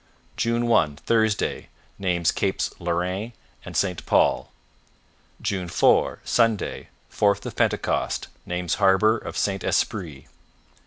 June 1 Thursday Names Capes Lorraine and St Paul. " 4 Sunday Fourth of Pentecost. Names harbour of St Esprit.